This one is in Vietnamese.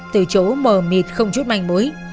từ chỗ mờ mịt không chút mảnh mối